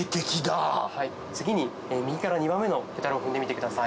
次に右から２番目のペダルを踏んでみてください。